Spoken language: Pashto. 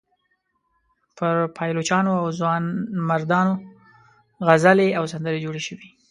پر پایلوچانو او ځوانمردانو غزلې او سندرې جوړې شوې.